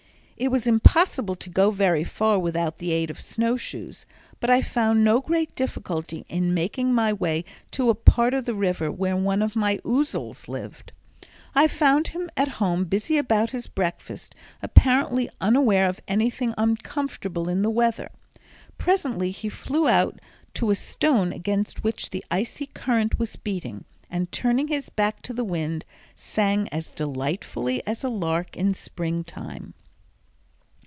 It was impossible to go very far without the aid of snow shoes, but I found no great difficulty in making my way to a part of the river where one of my ouzels lived. I found him at home busy about his breakfast, apparently unaware of anything uncomfortable in the weather. Presently he flew out to a stone against which the icy current was beating, and turning his back to the wind, sang as delightfully as a lark in springtime.